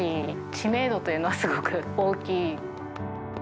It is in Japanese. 知名度というのは、すごく大きい。